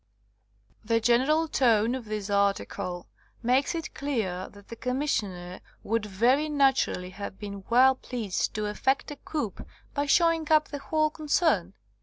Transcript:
The general tone of this article makes it clear that the Commissioner would very naturally have been well pleased to effect a coup by showing up the whole concern.